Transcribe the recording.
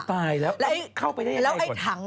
แล้วไอ้ถัง